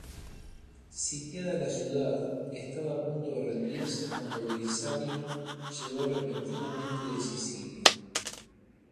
Sitiada la ciudad, estaba a punto de rendirse cuando Belisario llegó repentinamente de Sicilia.